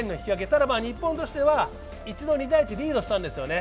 ただ、日本としては一度、２−１とリードしたんですよね。